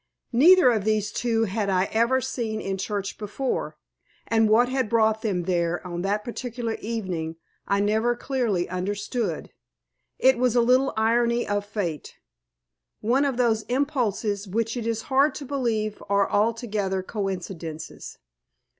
Neither of these two had I ever seen in church before, and what had brought them there on that particular evening I never clearly understood. It was a little irony of fate one of those impulses which it is hard to believe are altogether coincidences.